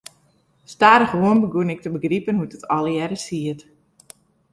Stadichoan begûn ik te begripen hoe't it allegearre siet.